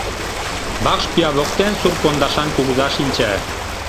Вакш пӱя воктен сур пондашан кугыза шинча.